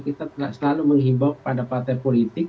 kita selalu mengimbau pada partai politik